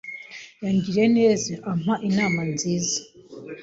Yangiriye neza ampa inama nziza.